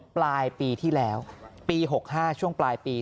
ปลายปีที่แล้วปี๖๕ช่วงปลายปี